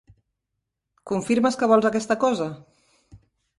Confirmes que vols aquesta cosa?